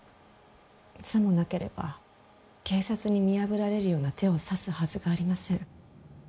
さもなければ警察に見破られるような手を指すはずがありません。